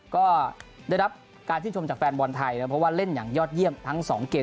ก็ได้รับการชื่นชมจากแฟนบอลไทยนะเพราะว่าเล่นอย่างยอดเยี่ยมทั้งสองเกม